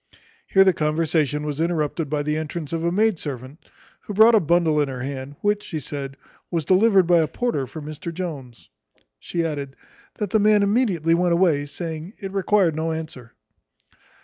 Here their conversation was interrupted by the entrance of a maid servant, who brought a bundle in her hand, which, she said, "was delivered by a porter for Mr Jones." She added, "That the man immediately went away, saying, it required no answer."